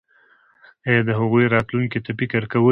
ایا د هغوی راتلونکي ته فکر کوئ؟